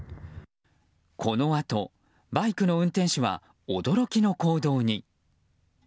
このあと、バイクの運転手は驚きの行動に。